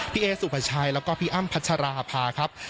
เอสุภาชัยแล้วก็พี่อ้ำพัชราภาครับ